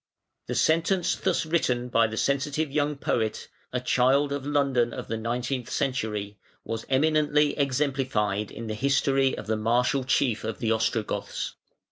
The sentence thus written by the sensitive young poet, a child of London of the nineteenth century, was eminently exemplified in the history of the martial chief of the Ostrogoths.